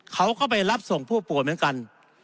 เขาก็ไปรับส่งผู้ป่วยเหมือนกัน